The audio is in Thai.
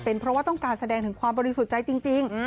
เป็นเพราะว่าต้องการแสดงถึงความบริสุจัยจริง